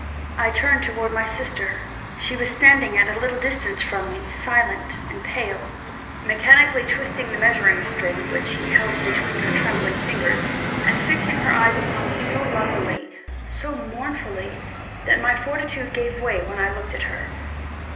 I turned towards my sister. She was standing at a little distance from me, silent and pale, mechanically twisting the measuring string, which she still held between her trembling fingers; and fixing her eyes upon me so lovingly, so mournfully, that my fortitude gave way when I looked at her.